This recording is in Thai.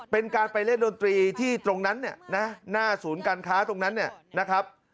เป็นการไปเล่นดนตรีที่ตรงนั้นหน้าศูนย์การค้าตรงนั้นนะครับ